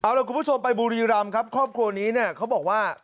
เอาล่ะคุณผู้ชมไปบุรีรำครับครอบครัวนี้เนี่ยเขาบอกว่า